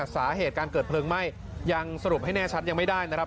สาเหตุการเกิดเพลิงไหม้ยังสรุปให้แน่ชัดยังไม่ได้นะครับ